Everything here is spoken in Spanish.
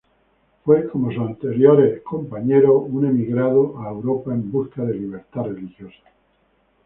Fue, como sus anteriores compañeros, un emigrado a Europa en busca de libertad religiosa.